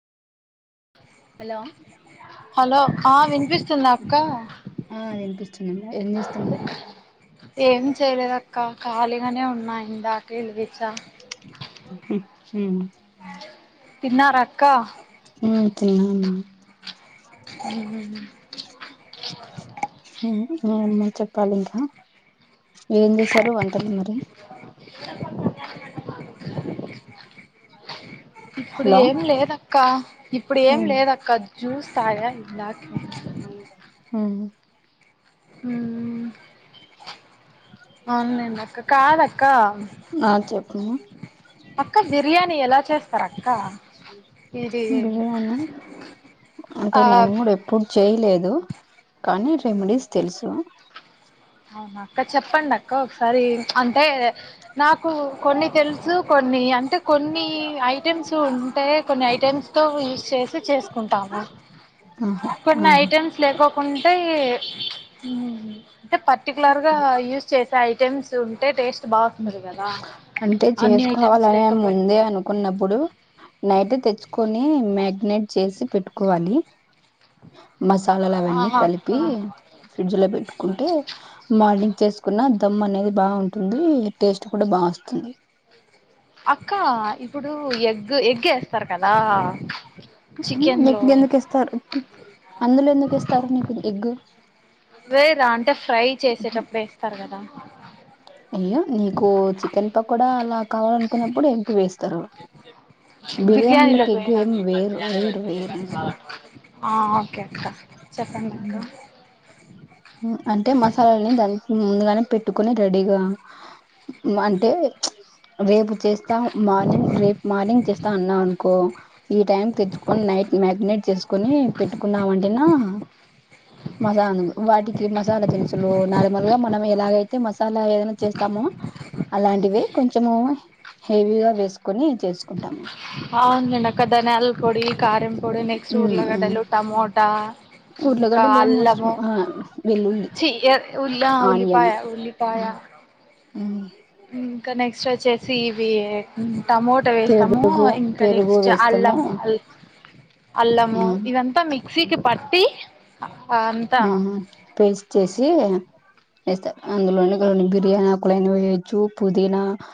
Hello hello ఆ వినిపిస్తుందా అక్క ఆ వినిపిస్తుందమ్మా ఏం చేస్తున్నావ్ ఏమి చేయలేదుక్క ఖాళీగానే ఉన్నాయిందా కిల్గిచా మ్మ్ తిన్నా రా క్క తిన్నామ్మా చెప్పాలి ఇంకా ఏం చేసారు వంటలు మరి [inaudible] ఇప్పుడు హలో ఏం లేదక్క ఇప్పుడు ఏం ఉమ్ లేదక్క జ్యూస్ తాగ ఇందాకే ఊ బావుందెందక్క. కాదక్కా అక్క ఆ చెప్పు అక్క బిర్యానీ ఎలా చేస్తారు అక్క ఇది బిర్యానీ ఆ కాని రెమిడీస్ తెలుసు అవునా అక్క చెప్పండి అక్క ఒకసారి అ అంటే నాకు కొన్ని తెలుసు కొన్ని అంటే కొన్ని ఐటెమ్స్ ఉంటే కొన్ని ఐటమ్స్ తో యూస్ చేసి చేసుకుంటాము ఆహా ఆ కొన్ని ఐటమ్స్ లేకోకుంటే ఏ అంటే పర్టికులర్ గా యూజ్ చేసే ఐటెమ్స్ ఉంటే టేస్ట్ బాగా వస్తుంది కదా అంటే అన్ని ఐటెమ్స్ చేసుకోవాలని లేకపోయి ముందే అనుకున్నప్పుడు నైట్ తెచ్చుకొని మ్యాగ్నెట్ చేసి పెట్టుకోవాలి [inaudible] మసాలాలు అవన్నీ అక్క కలిపి ఫ్రిడ్జ్ లో పెట్టుకుంటే మార్నింగ్ చేసుకున్న దమ్ అనేది బావుంటుంది టేస్ట్ కూడా బా వస్తుంది అక్క ఇప్పుడు ఎగ్గు ఎగ్గే చికెన్లో ఎగ్ ఎందుకు ఇస్తారు అందులో ఎందుకు ఇస్తారు నీకు ఎగ్ వేదా అంటే ఫ్రై చేసేటప్పుడు వేస్తారు గదా ఇప్ప కూడా అలా కావాలనుకున్నప్పుడే వేస్తారు బిర్యానీలోకి ఎగ్ ఏమి వేయరు వేరు వేరు ఆ ఓకే అక్క చెప్పండి అక్క అంటే మసాలాలని దాని ముందుగానే పెట్టుకుని రెడీగా అంటే ప్చ్ రేపు చేస్తా మార్నింగ్ రేపు మార్నింగ్ చేస్తా అన్నా అనుకో ఈ టైం తెచ్చుకొని నైట్ మ్యాగినేట్ చేసుకుొని పెట్టుకున్నాం అంటేనా మసాలను వాటికి మసాలా దినుసులు నార్మల్ గా మనం ఎలా అయితే మస్ అలా ఏదైనా చేస్తాము అలాంటివే కొంచము హెవీగా వేసుకుని చేసుకుంటాము అవును లేండి అక్క ధనియాల పొడి కారం పొడి నెక్స్ట్ ఊర్లగడ్డ లు టమోటా ఇంకా ఉర్లగడ్డలే మోస్ట్ అల్లము ఆ వెల్లుల్లిలి చి ఉల్లా ఆనియన్ ఉల్లిపాయ ఉల్లిపాయ ఉ ఉ ఇంకా నెక్స్ట్ వచ్చేసి ఇవి టమోటా వేస్తాము పెరుగు ఇంకా పెరుగు నెక్స్ట్ అల్లము వేస్తాము అల్ అల్లము మ్మ్ ఇదంతా మిక్సీకి పట్టి అంతా ఆ పేస్ట్ చేసి వేస్తారు అందులోనే కొన్ని బిర్యానీ ఆకులు అయిన వేయొచ్చు పుదీనా